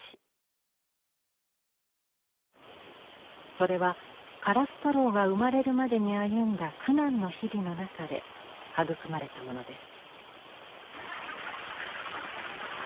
それは「からすたろう」が生まれるまでに歩んだ苦難の日々の中で育まれたものです。